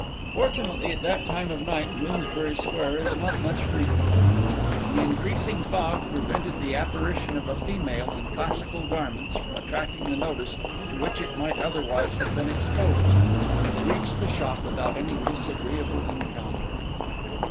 "] Fortunately, at that time of night Bloomsbury Square is not much frequented; the increasing fog prevented the apparition of a female in classical garments from attracting the notice to which it might otherwise have been exposed, and they reached the shop without any disagreeable encounter.